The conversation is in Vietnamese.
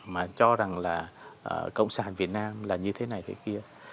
mà cho rằng là cộng sản việt nam là như thế này thế kia